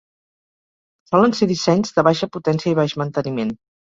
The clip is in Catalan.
Solen ser dissenys de baixa potència i baix manteniment.